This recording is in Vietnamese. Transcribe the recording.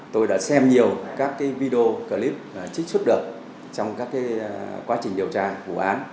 tôi đã xem nhiều các video clip trích xuất được trong các quá trình điều tra vụ án